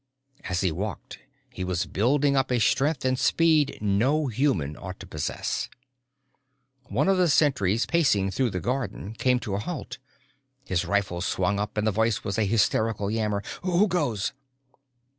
As he walked he was building up a strength and speed no human ought to possess. One of the sentries pacing through the garden came to a halt. His rifle swung up, and the voice was a hysterical yammer: "Who goes?"